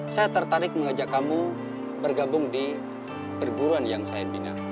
saya tertarik mengajak kamu bergabung di perguruan yang saya bina